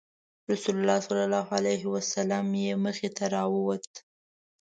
رسول الله صلی الله علیه وسلم یې مخې ته راووت.